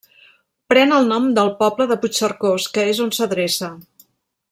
Pren el nom del poble de Puigcercós, que és on s'adreça.